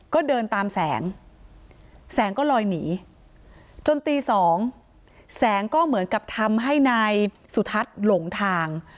ก็เดินตามแสงแสงก็ลอยหนีจนตี๒แสงก็เหมือนกับทำให้นายสุทัศน์หลงทาง